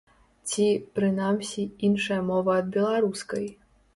Ці, прынамсі, іншая мова ад беларускай.